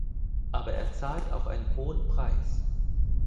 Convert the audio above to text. Aber er zahlt auch einen hohen Preis.